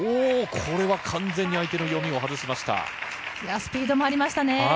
これは完全に相手の読みを外しまスピードもありましたね。